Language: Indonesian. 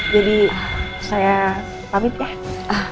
jadi saya pamit ya